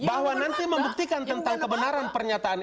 bahwa nanti membuktikan tentang kebenaran pernyataan